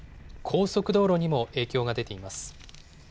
高速道路にも影響が出ています。